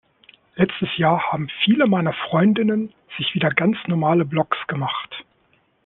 Letztes Jahr haben viele meiner Freundinnen sich wieder ganz normale Blogs gemacht.